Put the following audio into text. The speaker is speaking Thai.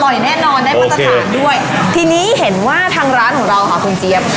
แน่นอนได้มาตรฐานด้วยทีนี้เห็นว่าทางร้านของเราค่ะคุณเจี๊ยบ